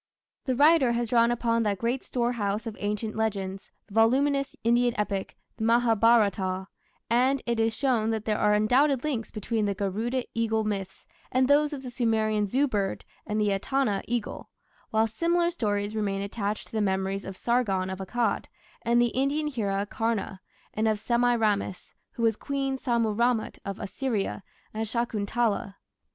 The writer has drawn upon that "great storehouse" of ancient legends, the voluminous Indian epic, the Mahabharata, and it is shown that there are undoubted links between the Garuda eagle myths and those of the Sumerian Zu bird and the Etana eagle, while similar stories remain attached to the memories of "Sargon of Akkad" and the Indian hero Karna, and of Semiramis (who was Queen Sammu ramat of Assyria) and Shakuntala.